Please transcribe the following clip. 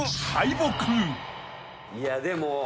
いやでも。